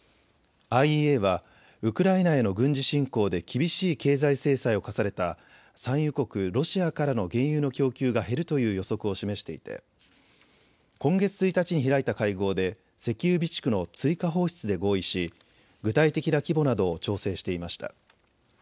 ＩＥＡはウクライナへの軍事侵攻で厳しい経済制裁を科された産油国ロシアからの原油の供給が減るという予測を示していて今月１日に開いた会合で石油備蓄の追加放出で合意し具体的な規模などを調整していました。